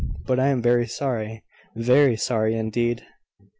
But I am very sorry very sorry, indeed."